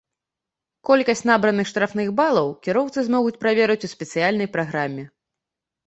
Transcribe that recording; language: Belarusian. Колькасць набраных штрафных балаў кіроўцы змогуць праверыць у спецыяльнай праграме.